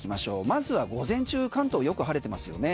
まずは午前中関東よく晴れてますよね。